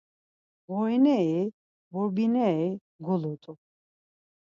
Mğorineri burbineri gulut̆u.